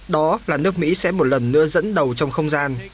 đó là nước mỹ sẽ một lần nữa dẫn đầu trong không gian